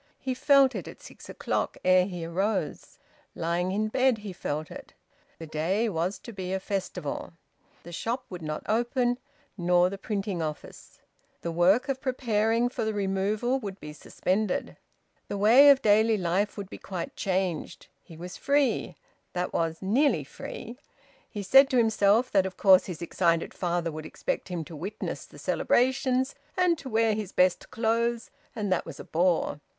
He felt it at six o'clock, ere he arose. Lying in bed he felt it. The day was to be a festival. The shop would not open, nor the printing office. The work of preparing for the removal would be suspended. The way of daily life would be quite changed. He was free that was, nearly free. He said to himself that of course his excited father would expect him to witness the celebrations and to wear his best clothes, and that was a bore.